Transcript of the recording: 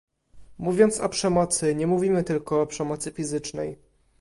Mówiąc o przemocy, nie mówimy tylko o przemocy fizycznej